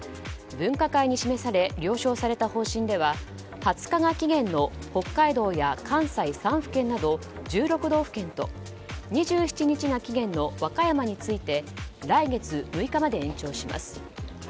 分科会に示され了承された方針では２０日が期限の北海道や関西３府県など１６道府県と２７日が期限の和歌山について来月６日まで延長します。